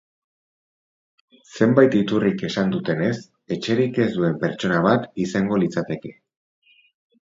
Zenbait iturrik esan dutenez, etxerik ez duen pertsona bat izango litzateke.